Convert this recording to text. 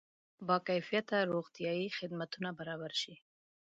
با کیفیته روغتیایي خدمتونه برابر شي.